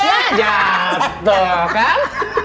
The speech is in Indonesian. ya jatuh kan